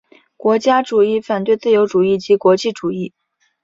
国家主义反对自由主义及国际主义。